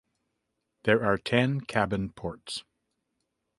There are ten cabin ports.